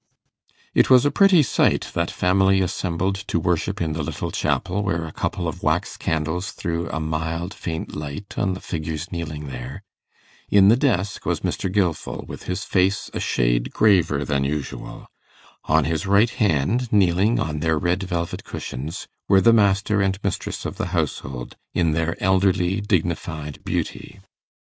It was a pretty sight, that family assembled to worship in the little chapel, where a couple of wax candles threw a mild faint light on the figures kneeling there. In the desk was Mr. Gilfil, with his face a shade graver than usual. On his right hand, kneeling on their red velvet cushions, were the master and mistress of the household, in their elderly dignified beauty.